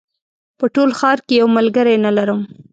په ټول ښار کې یو ملګری نه لرم